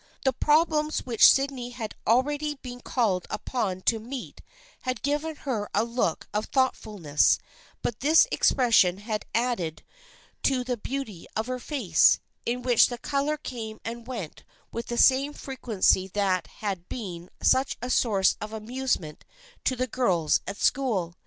The problems which Sydney had already been called upon to meet had given her a look of thoughtfulness, but this expression had added to 318 THE FRIENDSHIP OF ANNE the beauty of her face, in which the color came and went with the same frequency that had been such a source of amusement to the girls at school.